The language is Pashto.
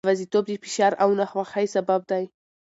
یوازیتوب د فشار او ناخوښۍ سبب دی.